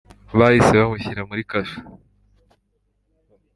bahise bamushyira muri kasho